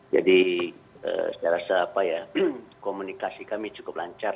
jadi saya rasa komunikasi kami cukup lancar